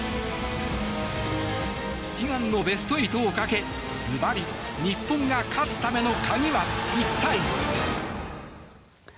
悲願のベスト８をかけ、ずばり日本が勝つための鍵は一体？